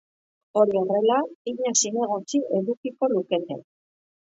Hori horrela, bina zinegotzi edukiko lukete.